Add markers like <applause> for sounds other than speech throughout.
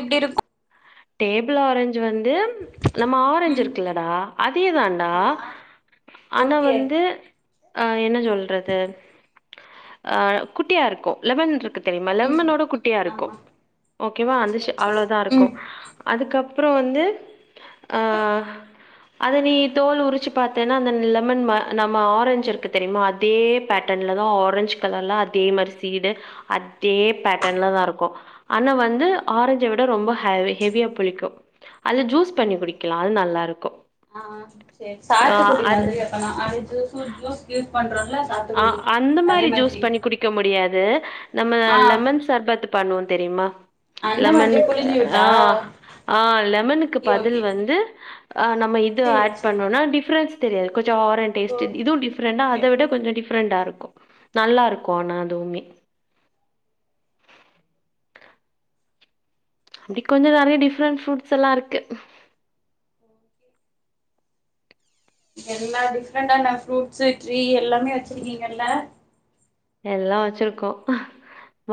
எப்டிருக்கு table orange வந்து நம்ம orange ம் இருக்குல்லடா அதேதான்டா ஆமா ஆனா ஓகே வந்து அ என்ன சொல்றது அ குட்டியா இருக்கு லெமன்ருக்கு தெரிமா ம் லெமனோட குட்டியா இருக்கு ஆமா ஓ ஓகேவா அந்த சேரி சேரி அவ்ளோதா இருக்கு ம் அதுக்கப்பறோ வந்து ஆ அத நீ தோல் உரிச்சு பாத்தேன்னா அந்த லெமன் ம நம்ம ஆரஞ்ச் இருக்கு தெரிமா அதே பேட்டன் லதா ஆரஞ்ச் கலர்லா ஓ அதே மாரி சீடு அதே பேட்டர்ன்ல தா இருக்கு ஆனா ம் வந்து ம் ஆரஞ்ச விட ரொம்ப ஹ ஹெவியா புளிக்கு அது ஜூஸ் பண்ணி குடிக்கலா அது நல்லாருக்கு அஅ சரி சாத்துக்குடி மாரி அப்பனா அது ஜூஸ் ஜூஸ்ஷு அ அந்த மாரி ஜூஸ் பண்ணி குடிக்க முடியா து நம்ம ஆ லெமன் சர்பத்து பண்ணுவோ தெரியுமா அந்த மாதிரி லெமனுக்கு புழிஞ்சு ஆ விட்டா ஆ லெமனுக்கு ஓகே பதில் ஓகே வந்து அ நம்ம இது சேரி ஆட் சேரி பண்ணுனா டிஃப்ரென்ஸ் தெரியா கொஞ்சோ ஆரன் ஓ டேஸ்ட்டு இது டிஃப்ரெண்டா அ சேரி தவிட கொஞ்சோ டிஃப்ரெண்டா இருக்கு ம் நல்லாருக்கு ஆனா அதுவுமே அப்டி கொஞ்சோ நரியா டிஃப்ரெண்ட் ஃப்ரூட்ஸ்ல்லா இருக்கு ஓகே எல்லா டிஃப்ரெண்டா ஆன ஃப்ரூட்ஸ்சு ட்ரீ எல்லாமே வச்சிருக்கீங்கல்ல எல்லா வச்சிருக்கோ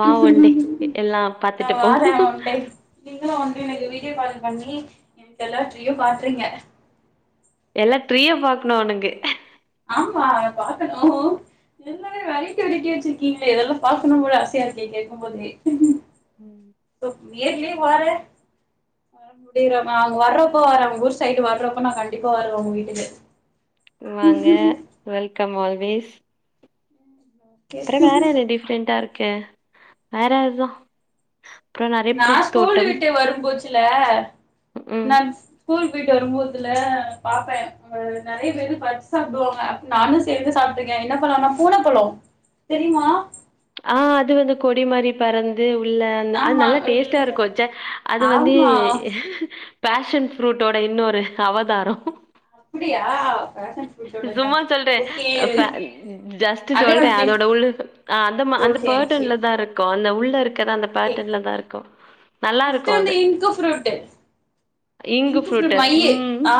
வா ஒன் டே எல்லா நா பாத்துட்டு போ. வாறே ஒன்டைம் நீங்களுவந்து எனக்கு வீடியோ கால் பண்ணி எனக்கு எல்லா ட்ரீயு காட்றிங்க எல்லா ட்ரீயு பாக்கணு ஒனக்கு ஆமா பாக்கணு எல்லாமே வரைட்டீ வரைட்டீ வச்சிருக்கீங்களே இதெல்லா பாக்கணு ஒரு ஆசயா இருக்கு கேட்கும் போதே ம் நேர்லே வாறே வர முடியற அவங்க வர்றப்போ வறே ஒங்க ஊர் சைடு வர்றப்போ நா கண்டிப்பா வறே உங்க வீட்டுக்கு வாங்க வெல்கம் ஆல்வேஸ் ஓகே அப்பறோ வேற என்ன டிஃப்ரெண்டடா இருக்கு வேற அதா நா ஸ்கூல் விட்டு வரும் போச்சுல ம் நா ஸ்கூல் போயிட்டு வரும்போதுல பாப்பே நரியா பேரு பத்ஸ் சாப்டுவாங்க அப்ப நானு சேந்து சா பாத்துருக்கே என்ன பலோனா பூன பழ தெரியுமா அ அது வந்து கொடி மாரி பறந்து இல்ல அது ஆமா நல்ல டேஸ்ட்டா இல்ல இருக்கு ச அது வந்து ஆமா பேஷன் ஃப்ரூட்டோட இன்னொரு அவதாரோ அப்டியா பேஷன் ஃப்ரூட்டோடதா சும்மா சொல்றே ஓகே ஃப ஜஸ்ட் அதே சொல்றே மாதிரி அது உள்ள அ அந்தமா அந்த பேர்டன்ல தா இருக்கு அந்த உள்ள இருக் ஒகே நல்லா இருக்கு ஜஸ்ட்டு வந்து அது இங்க்கு ஃபுருட்டு இங்கு இங்க் ஃபுருட் ஃப்ரூட்டு மையி ம் அ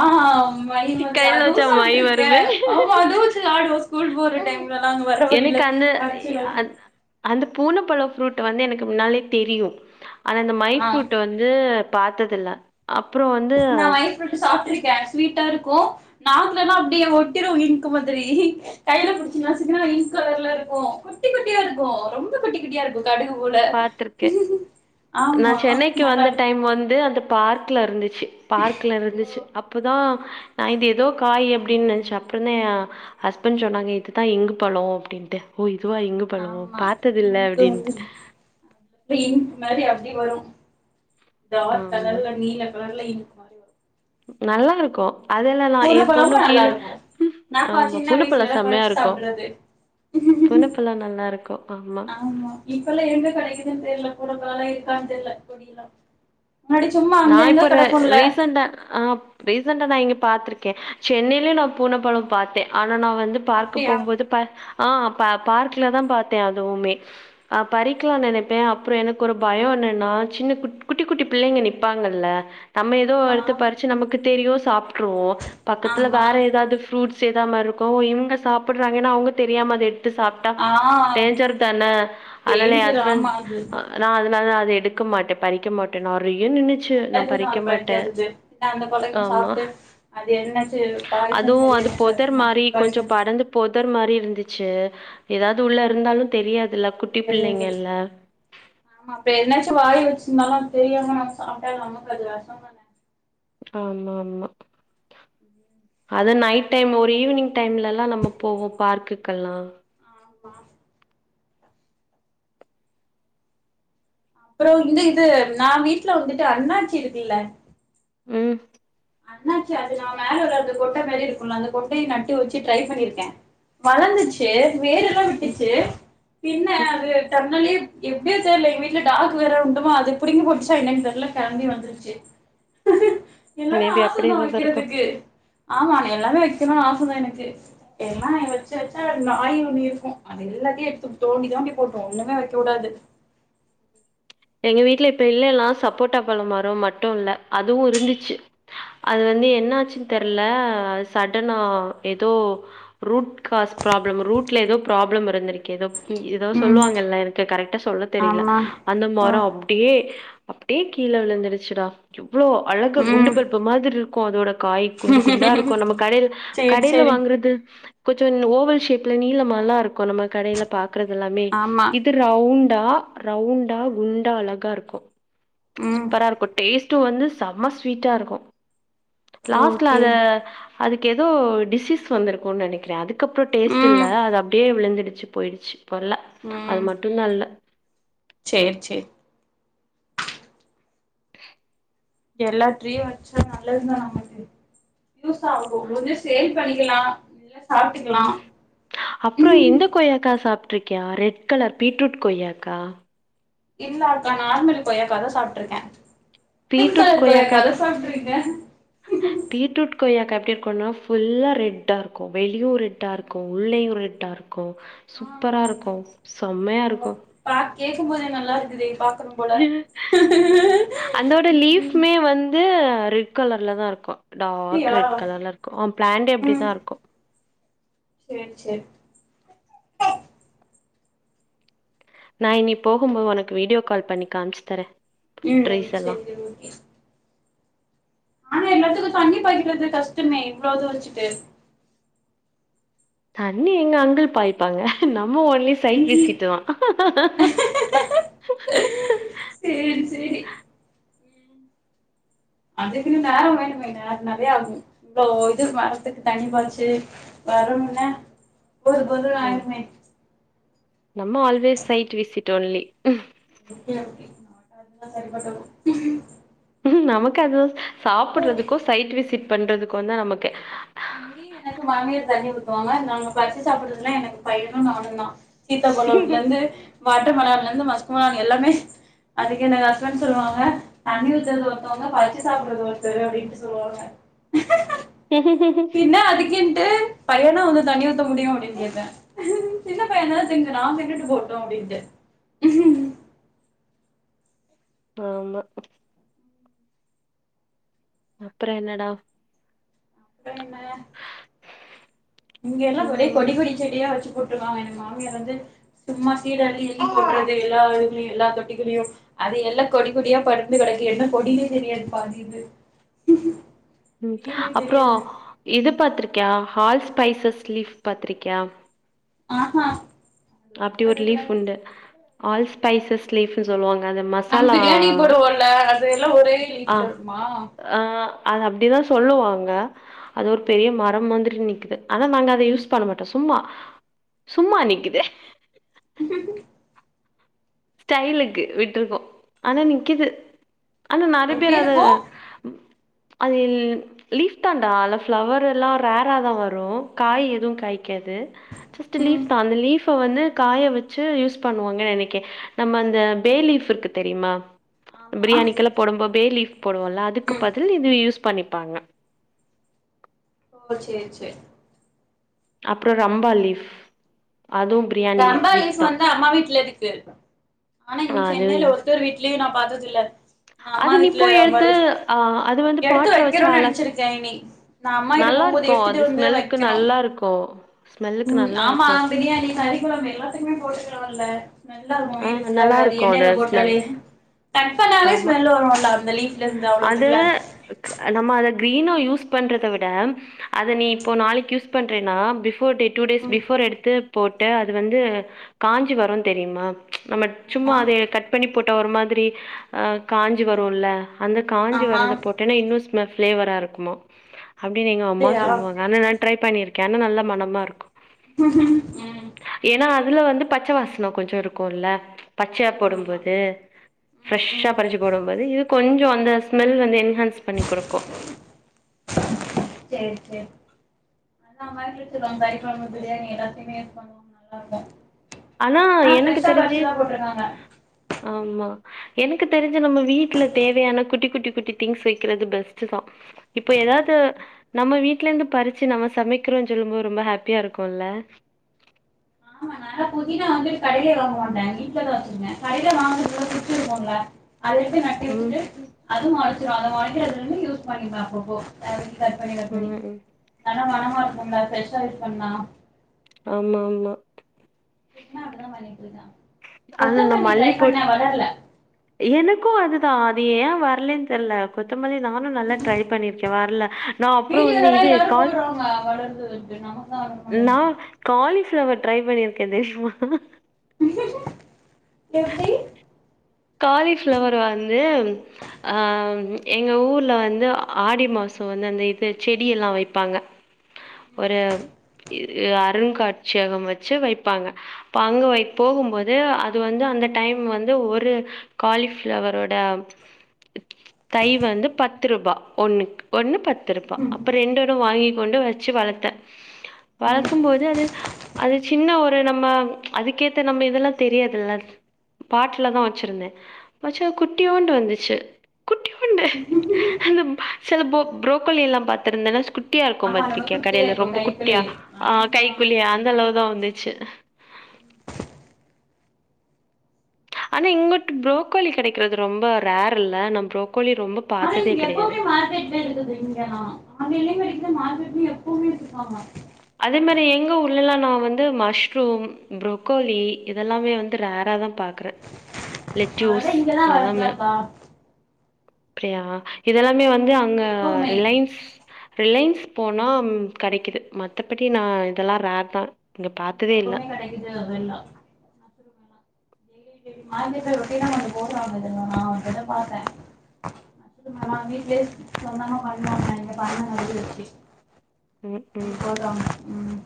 மைய் மாரி கைல அதுவு வச்சா மை சாப்ட்ருக்கே வருமே ஆமா அத வச்சு ஆடுவோ ஸ்கூல் போற டைம் எனக்கு அந்த அ அந்த பூன பழ ஃப்ரூட் வந்து எனக்கு முன்னாலே தெரியு ஆனா அந்த மை ஆ ஃப்ரூட் வந்து பாத்ததுல நா வயஃப் விட்டு சாப்ட்ருக்கே ஸ்வீட்டா இரு க்கு நாக்கலா அப்டியே ஒட்டிரு இன்க் மாதிரி கையில ம் புடிச்சா இன்க் கலர்ல இரு க்கு குட்டி குட்டியா இருக்கு ரொம்ப குட்டிக்குட்டியாருக்கு கடுகு போல பாத்திருக்கே நா ஆமா சென்னைக்கு நல்லா வந்த இருக்கு டைம் வந்து அந்த பார்க்குல இருந்துச்சு பார்க்குல இருந்துச்சு அப்போ தா நா இது எதோ காய் அப்டின் நெனச்ச அப்றந்தா ஹஸ்பண்ட் சொன்னாங்க இதுதா இங்கு பளோ அப்டின் ன்ட்டு ஓ இதுவா இங்கு பழோ ஆமா பாத்ததில்ல இங்க் அப்டின்ட்டு <unintelligible> இங்க் மாரி வரு டார்க் ஆமா கலர்ல நீல கலர்ல இங்க் மாரி வரு நல்லாருக்கு பூன பழமு நல்லா இருக்கு நாக்வா ஆமா சின்ன பூனப்பழோ வயசுல எல்லா செம்மையா கொழச்சி இருக்கு சாப்ட்றது பூனப்பழோ நல்லா இருக்கு ஆமா இப்பல்லா எங்க கெடைக்குதுனு தெர்ல <unintelligible> க்கான்னு தெர்ல கொடியெல்லா முன்னாடி சும்மா நா அங்கங்க இப்ப ர கெடக்குல்ல ரீசண்டா ஆ ரீசண்டா நா இங்க பாத்திருக்கே சென்னைலியே நா பூன பழோ பாத்தே ஆனா நா வந்து பார்க்க அப்டியா போவும்போது ப ஆ ப பார்க்லதா பாத்தே அதுவுமே அ பறிக்லா நெனைப்பே அப்றோ எனக்கு ஒரு பயோ ன்ன நா சின்ன குட் குட்டி குட்டி பிள்ளைங்க நீங் ப்பாங்கல்ல நம்ம ஏதோ ஆமா எடுத்து பறிச்சு நமக்கு தெரியு சாப் ட்ருவோ பக்கத்துல ஆமா வேற ஏதாவது ஃபுரூட்ஸ் சேதாம இருக்கு இவுங்க சாப்புட்றாங்கன்னா அவுங்க தெரியாம அத து சாப்ட்டா ஆ டேஞ்சர் தான ஆனால எ டேஞ்சர் ஹஸ்பண்ட் ஆமா அது அ நா அதனால எடுக்க மாட்ட பறிக்க மாட்ட நெறைய் நல்லதுதா அதுபறிக்காதது அந்த புள்ளைங்க ஆமா சாப்ட்டு அது என்னாச்சோ ஏதோ <unintelligible> அதுவு அது பொதர் மாரி கொஞ்சோ படந்து பொதர் மாரி இருந் ந்துச்சு ஏதாவது உள்ள இருந்தாலு தெரியாதில்ல சரிய சொல்லு ஆமா அப்ப எதனாச்சு வாய்ல வச்சு இர்ந்தாலு அத் தெரியாம நாம சாப்ட்டா நமக்கு அது வெஷோ தான ஆமா ஆமா அத நைட் டைம் ஒரு ஈவினிங் டைம்ல எல்லா நம்ம போவோ பார்க்குக்கெல்லா ஆமா அப்றோ இந்து இது நா வீட்ல வந்துட்டு அண்ணாச்சி இருக்கில்ல ம் அண்ணாச்சி அது நா மேல உள்ள அது கொட்ட மேரியே இருக்குல்ல அந்த கொட்டைய நட்டு வச்சி ட்ரை பண்ணிருக்கே வளந்துச்சி வேர்ரெல்லா விட்டுச்சி பின்ன ம் அது தன்னாலியே எப்டியோ தெரில எங்க வீட்ல டாகு வேற உண்டுமா அது புடிங்கி போட்டுச்சா என்னன் தெர்ல கெளம்பி வந்துருச்சி எல்லாமே மேபி அப்டி ஆசதா ஏதாவது இருக்கு வைக்கறதுக்கு ஆமா எல்லாமே வச் <unintelligible> ஆச தா எனக்கு எல்லா வச்சு வச்சா நாய் வுணி இருக்கு அது எல்லாத்தையு எடுத்து தோண்டிதா புடுங்கி போட்ரு ஒண்ணுமே வெக்க வுடாது எங்க வீட்ல இப்ப இல்லலா சப்போட்டா பழமரம் மட்டு இல்ல அதுவு இருந்துச்சு அது வந்து என் என்னாச்சுனு தெர்ல அது சடனா ஏதோ ரூட் காஸ்பிராப்ளம் ரூட்ல ஏதோ ப்ராப்ளம் இருந்திருக்கு ஏதோ ஏதோ ம் சொல்வாங்கல்ல எனக்கு கரெக்டா சொல்ல தெரியில ஆமா அந்த ஓ மரோ அப்டியே அப்டியே கீழ விழுந்துடுச்சுடா எவ்ளோ அழகு குண்டு ம் பல்ப்பு மாதிர் இருக்கு அதோட காய் குண்டு குண்டா இருக்கு நம்ம கடைல கடையில சேரி வாங்கறது கொஞ்ச ஓ வல் ஷேப்ல நீலமாலா இருக்கு நம்ம கடைல பாக்கறது எல்லாமே ஆமா இது ரவுண் டா ரவுண்டா குண்டா அழகா இருக்கு ம் சூப்பரா இருக்கு டேஸ் டு வந்து செம்ம ஸ்வீட்டாருக்கு லாஸ்ட்ல ஓகே அத அதுக்கு ஏதோ டிசீஸ் வந்திருக்குன்னு நெனைக்கிறே அதுக்கப்புற டேஸ்ட் இல்ல ம் அது அப்டியேவிழுந்து டிச்சு போய்டிச்சு இப்ப இல்லஅது மட்டுந்தா இல்ல சேர் சேர் <inaudible> எல்லா ட்டிரியு வச்சா நல்லதுதா நமக்கு யூஸ் ஆகும் ஓரு சேல் பண்ணிக்கலா சாப்ட்டுக்கலா உம் அப்புற இந்த கொய்யாக்கா சாப் ட்ருக்யா ரெட் கலர் பீட்ரூட் கொய்யாக்கா இல்ல அக்கா நார்மல் கொய்யாக்காதா சாப்ட்ருக்கே பிங் கலர் கொய்யாக்கா அத சாப்டுருக்க பீட்ரூட் கொய்யாக்கா எப்டி இருக்குனா ஃபுல்லா ரெட்டாருக்கு வெளியு ரெட்டா இருக்கு உள்ளேயு ரெட்டாருக்கு ஆ சூப்பரா இருக்கு செம்மயா இருக்கு பா கேக்கும்போதே நல்லாருக்குதே பா அந்தோட ம் லீஃப்மே வந்து ரெட் கலர்லதாருக்கு டார்க் அப்டியா ரெட் கலர்லருக்கு அ ப்ளாண்டே அப்டித்தாருக்கு சேர் சேர் நா இன்னி போகும்போ ஒனக்கு வீடியோ கால் பண்ணி காம்ச்சி தரே ம் சேரி சேரி ஓகே ஆனா எல்லாத்துக்கு தண்ணி பாய்க்கிறது கஷ்டமே இவ்ளோ இத வெச்சிட்டு தண்ணி எங்க அங்குல் பாய்ப்பாங்க நா ம்ப ஒன்லி சைட் ம் விசிட்டுதா சேரி சேரி அதுக்குனு நேரோ வேணுமே நேர் நெறய ஆகு இதோ இதுக் மரத்துக்கு தண்ணிப்பாச்சி வரும் ன்ன போதுபோது ம் ஆய்ருமே நம்ம always side visit only okay okay நல்லா <unintelligible> ம் நமக்கு அது சாப்புட்றதுக்கு சைட் விசிட் பண்றதுக்கு தா நமக்கு இங்கே எனக்கு மாமியார் தண்ணி ஊத்து வாங்க நாங்க பற்ச்சி சாப்புட்றதுலா எனக்கு பையனு நானுந்தா சீத்தாபழத்துலந்து வாட்டர் மெலான்லந்து மஸ்க்மெலான் எல்லாமே அதுக்கு என்ன ஹஸ்பண்ட் சொல்வாங்க ஆ தண்ணி ஊத்தற்து ஒர்த்தவங்க பறிச்சி சாப்புட்றது ஒர்த்தரு அப்டின்ட்டு சொல்வாங்க ம் <unintelligible> பின்ன அதுக்கின்ட்டு பையனா வந்து தண்ணி ஊத்த முடியு அப்டின் கேப்பே சின்ன பைய தா திங்கறா தின்னுட்டு போட்டு அப்டின்ட்டு ஆமா அப்ற என்னடா அப்ற என்ன இங்க எல்லா ஒரே கொடி ம். கொடி செடியா வெச்சிர் போட்ருகாங்க எங் மாமியார் வந்து சும்மா ஸீட் அள்ளி எங்கியு போட்றது எல்லா இதுலயு எல்லா தொட்டி குள்ளயு அது எல்லா கொடி கொடியா படந்து கெடக்கு என்னா கொடினே தெரியாது பாதி இது ம் நேமே அப்றோ தெரியாது இது பத் துருக்யா ஹால் ஸ்பைசஸ் லீஃப் பாத்ருக்யா ஆ ஹா அப்டி ஒரு லீஃப் உண்டு ஆல் ஸ்பைசஸ் லீஃப்பு சொல்வாங்க அது நம்ம மசாலா பிரியாணி போடுவோல்ல அது எல்லா ஒரே அ ஆ லீஃப்ல இருக்குமா அ அது அப்டிதா சொல்லுவாங்க அது ஒரு பெரிய மரம் மாதிரி நிக்குது ஆனா நாங்க அத யூஸ் பண்ண மாட்டோ சும் ம்மா சும்மா நிக்குது ஸ்டைலுக்கு விட்ருக்கோ ஆனா நிக்கிது ஆனா நெற எப்டி பேர் அத இருக்கு அது ல் லீஃப் தான்டா அல்ல ஃப்ளவர் எல்லா ரேரா தா வரு காய் எது காய்க் கேது ஜெஸ்ட்டு லீஃப் ம் தா அந்த லீஃப வந்து காய வச்சி யூஸ் பண்ணுவாங்க நெனைக்கே நம்ம அந்த பே லீஃப் இருக்கு தெரிமா ஆமா பிரியாணிக்கெல்லா போடம்போ பே லீஃப் போடுவோல அதுக்கு ம் பதில் இது ம் யூஸ் பண்ணிப்பாங்க ஓ சேர் சேர் அப்றோ ரம்பா லீஃப் அதுவு பிரியாணி ரம்பா லீஃப் தா வந்து அம்மா வீட்லருக்கு ஆனா இங்க அது சென்னைல ஒர்த்தர் வீட்லியு நா பாத் த்துல அம்மா அது நீ வீட்ல போய் ரொம்ப எடுத்து ரிஸ்க் ஆ அது வந்து எடுத்து பாட்ல வச்சு வெக்கனுன் அழகா நெனச்சிருக்கே இனி நா அம்மா வீட்டுக் நல்லா போவும்போது இருக்கு அது எடுத்துட்டு வந்து ஸ்மெல்க்கு வெக்கணு நல்லா இருக்கு ஸ்மெல்லுக்கு ம் நல்லா ஆமா இருக்கு பிரியாணி கறிக்கொழம்பு எல்லாத்துக்மே போட்டுக்கலாம்ல ஸ்மெல்லா ருக்கு ஆ வீடு நல்லா ஃபுல்லாவே அது இருக்கு எண்ணெய்ல ஸ்மெல் போட்டாலே கட் பண்ணாலே ஆமா ஸ்மெல்லு வரு நல்லா அது நம்ம அத கிரீனா யூஸ் பண்றத விட அத நீ இப்போ நாளைக்கு யூஸ் பண்றேன்னா before day two days ம் பிஃபோர் எடுத்து போட்டு அது வந்து காஞ்சி வருனு தெரியுமா நம்ம சும்மா ஆமா அதே கட் பண்ணி போட்ட ஒரு மாதிரி ஆ காஞ்சு வருல்ல அந்த காஞ்சி ஆமா வரத போட்டேன்னா இன்னும் ஸ்மெல் ஃபிளேவரா இருக்குமா அப்டின்னு எங்க அம்மா அப்டியா சொல்வாங்க ஆனா நா ட்ரை பண்ணியிருக்கே ஆனா நல்ல மனமா ருக்கு ம் அதுல வந்து பச்ச வாசன கொஞ்சொ இருக்குல்ல பச்சையா ஆமா போடும்போது ம் ஃப்ரெஷ்ஷா ம் பறிச்சு போடும் போது இது கொஞ்சோ அந்த ஸ்மெல் வந்து என் ன்ஹான்ஸ் பண்ணி குடுக்கு. சேரி செரி அதா <unintelligible> வச்சிருப்பாங்க கறி குழம்பு பிரியாணி எல்லாத்தையுமே <inaudible> பண்ணுவாங்க நல்லா இருக்கு ஆனா எனக்கு ஃப்ரெஷ்ஷா தெரிஞ்சு பறிச்சுதா போட்ருக்காங்க ஆமா எனக்கு தெரிஞ்சு நம்ம வீட்ல தேவையான குட்டி குட்டி குட்டி திங்ஸ் வெக்கிறது பெஸ்ட்தா இப்போ எதாச்சு நம்ம வீட்ல இருந்து பறிச்சு நம்ம சமைக்கிறோ சொல்லும் போது ரொம்ப ஹேப்பியா இருக்குல்ல ஆமா நா னா புதினா வந்து கடைலேயே வாங்க மாட்ட வீட்டுலதா வச்சிருக்க கடையில வாங்கறது சுத்தி இருக்கும்ல அத வச்சு நட்டி ம் வச்சுட்டு அது <unintelligible> அத மாட்டி அதுல இருந்து யூஸ் பண்ணிப்ப அப்பப்போ கட் பண்ணி கட் பண்ணி ம் ம். நல்லா மனமா இருக்கும்ல ப்ரெஷ்ஷா யூஸ் பண்ணா ஆமா ஆமா னா அப்டிதா பண்ணிட்டு இருக்கே கொத்தமல்லி ட்ரை பண்ணே வளரல. எனக்கு அதுதா வி ஏ வர்லன்னு தெர்ல கொத்தமல்லி நானு நல்லா ட்ரை பண்ணிருக்கே வர்ல. நா அப்பறொ வந்நு வீடியோலலா இது எல்லாரு கால் போட்றாங்க வளருது நமக்கு தா வளர நா மாட்டேங்குது காலிஃப் <unintelligible> ட்ரை பண்ணியிருக்கே தெரியுமா எப்டி? காலிஃப்ளவர் வந்து அ எங்க ஊர்ல வந்து ஆடி மா சோ வந்து அந்த இது செடி எல்லா வைப்பாங்க ம் ஒரு இது எ அருங்காட்சியகம் வச்சு வைப்பாங்க அப்ப அங்க வை ம் போகும்போது அது வந்து அந்த டைம் வந்து ஒரு காலிஃப்ளவரோட தை வந்து பத்து ரூபா ஒன்னு ஒன்னு பத்து ரூபா ம் அப்பற ரெண்டோட வாங்கிக் கொண் டு வச்சு வளத்த ம் வளக்கும் போது அது அது சின்ன ஒரு நம்ம அதுக்கேத்த நம்ம இதெல்லா தெரியாதுல்ல. பாட்லதா வ ச்சிருந்தே வச்சா குட்டியோண்டு வந்துச்சு குட்டியோண்டு அந்த சில பொ புரோக்கலி எல்லா பாத்திருந்தேனா ஸ்குட் குட்டியா இருக்கும் ஆமா ரொம்ப பத்திரிக்கையா குட்டியா டியாருக்கு பாத்துருக்கியா கடைல இருக்கு ரொம்ப குட்டியா கைக்குள்ளயே ஆ ஆமா கைக்குல்லியே அந்த அளவுதா வந்துச் ச்சு ஆனா இங்கட்டு புரோக்கோலி கெடைக்கிறது ரொம்ப ரேர் இல்ல நா புரோக்கோலி ரொம்பொ ல்ல இங்க எப்பவுமே மார்க்கெட்ல இருக்குது இங்கலா அங்கேல்லையு கெடைக்குது மார்க்கெட்லயு எப்பவுமே எத்துக்குவாங்க அதே மாரி எங்க ஊர்லல்லா நா வந்து மஷ்ரூம் புரகோலி இதெல்லாமே வந்து ரேறா தா பாக்குற அதல்லா இங்கதா வளருதாக்கா அப்டியா இதெல்லாமே வந்து அங்க எப்பவுமே ரிலைன்ஸ் ரிலைன்ஸ் போனா ம் கெடைக்குது மத்தபடி நா இதெல்லா ரேர்தா எப்பவுமே கெடைக்குது அதெல்லா மார்க்கெட்ல ரொட்டினா <inaudible> நா அங்கதா பாத்தே மா வீட்லயே சொந்தமா பண்ண எங்க பாருு <inaudible> வச்சு ம் ம் போடுறாங்க ம்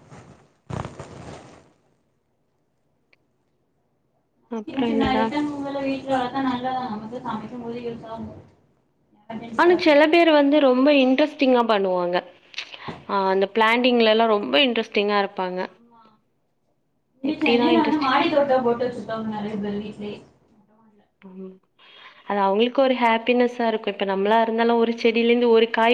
சின்ன அப்புறம் சின்ன என்னடா? ஐட்டம் முத வீட்ல வளர்த்தா நல்லதான் நமக்கு சமைக்கும்போதே யூசா ஆகும் ஆனா சில பேர் வந்து ரொம்ப இன்ட்ரெஸ்ட் திங்ளா பன்னுவாங்க ஆ அந்த ஃபிளான்டிங்ள எல்லா ரொம்ப இன்ரெஸ்டிங்க இ ஆமா எப்டிதான் இன்ட்ரெஸ்டிங் <unintelligible> லி ம் அது அவங்களுக்கு ஒரு ஹாப்பினஸ்ச இருக்கு இப்ப நம்மளா ஆமா இருந்தாலு ஒரு செடியில இருந்து ஒரு காய்